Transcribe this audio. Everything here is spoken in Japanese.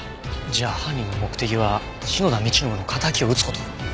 じゃあ犯人の目的は篠田道信の敵を討つ事？